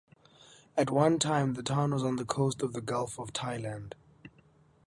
At one time the town was on the coast of the Gulf of Thailand.